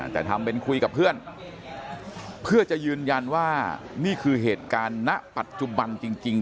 แต่ทำเป็นคุยกับเพื่อนเพื่อจะยืนยันว่านี่คือเหตุการณ์ณปัจจุบันจริง